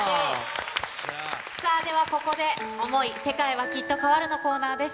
ではここで想い世界はきっと変わるのコーナーです。